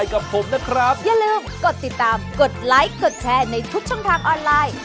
กดไลค์กดแชร์ในทุกช่องทางออนไลน์